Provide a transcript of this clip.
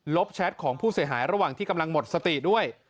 แชทของผู้เสียหายระหว่างที่กำลังหมดสติด้วย